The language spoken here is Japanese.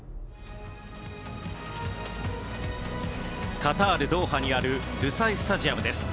カタール・ドーハにあるルサイル・スタジアムです。